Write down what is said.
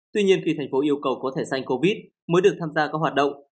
tuy nhiên khi tp yêu cầu có thẻ sanh covid mới được tham gia các hoạt động